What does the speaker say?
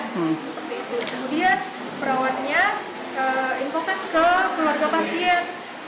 kemudian perawannya informasi ke keluarga pasien